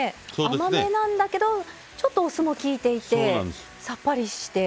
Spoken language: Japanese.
甘めなんだけどちょっとお酢もきいていてさっぱりして。